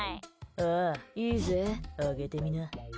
ああ、いいぜあげてみな。